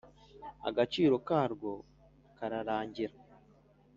agaciro karwo kararangira